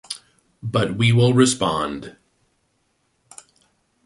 But we will respond.